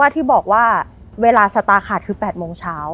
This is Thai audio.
ที่บอกว่าเวลาสตาร์ขาดคือ๘โมงเช้า